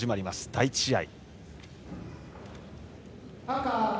第１試合。